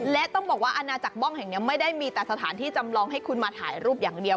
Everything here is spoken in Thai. และต้องบอกว่าอาณาจักรบ้องแห่งนี้ไม่ได้มีแต่สถานที่จำลองให้คุณมาถ่ายรูปอย่างเดียว